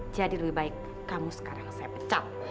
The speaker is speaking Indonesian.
jadi lebih baik kamu sekarang saya pecah